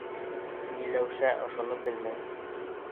Миләүшә ошоно белмәй.